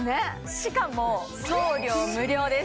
しかも送料無料です